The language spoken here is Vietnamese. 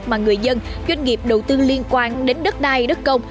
mà người dân doanh nghiệp đầu tư liên quan đến đất đai đất công